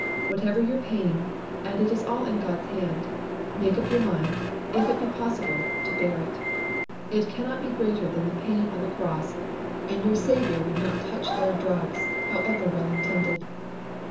Whatever your pain, and it is all in God's hand, make up your mind, if it be possible, to bear it. It cannot be greater than the pain of the cross, and your Saviour would not touch their drugs, however well intended.